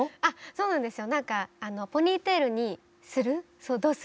そうなんですよ。